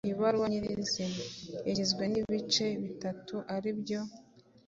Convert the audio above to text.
Ibaruwa nyirizina: Igizwe n'ibice bitatu ari byo: